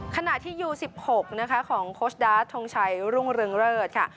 ขณะที่ยูสิบหกนะคะของโค้ชดาร์ดทรงชัยรุ่งรึงเริดค่ะ